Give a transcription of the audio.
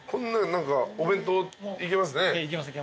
何かお弁当いけますね。